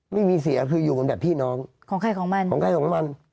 ไม่มีเสียคืออยู่กันแบบพี่น้องของใครของมันของใครของมัน